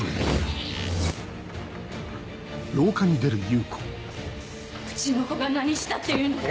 うちの子が何したっていうのよ。